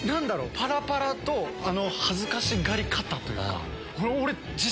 パラパラとあの恥ずかしがり方というか。